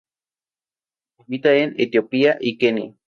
Habita en Etiopía y Kenia.